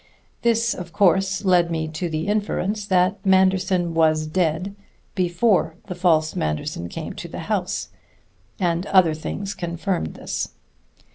This, of course, led me to the inference that Manderson was dead before the false Manderson came to the house; and other things confirmed this.